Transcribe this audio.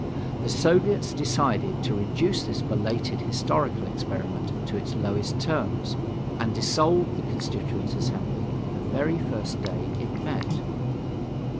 The Soviets decided to reduce this belated historical experiment to its lowest terms, and dissolved the Constituent Assembly the very first day it met.